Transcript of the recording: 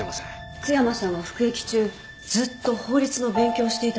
津山さんは服役中ずっと法律の勉強をしていたそうです。